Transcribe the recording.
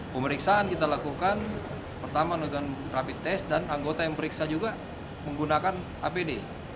pemeriksaan kita lakukan pertama dengan rapid test dan anggota yang periksa juga menggunakan apd